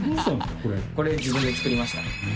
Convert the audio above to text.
これ自分で作りました。